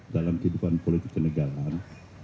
dalam kehidupan politik kenegaraan